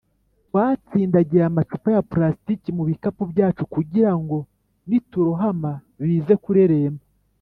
Twatsindagiye amacupa ya plasitiki mu bikapu byacu kugira ngo niturohama bize kureremba